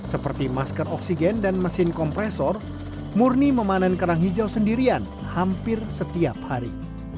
karena seperti masker oksigen dan mesin kompresor murni memanen kerang hijau sendirian hampir setiap hari